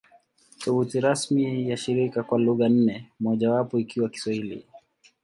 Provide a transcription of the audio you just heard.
Tovuti rasmi ya shirika kwa lugha nne, mojawapo ikiwa Kiswahili